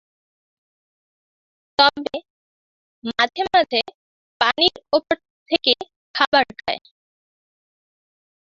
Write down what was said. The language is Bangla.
তবে মাঝে মাঝে পানির উপরে থেকে খাবার খায়।